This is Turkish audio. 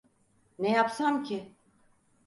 Ne yapsam ki?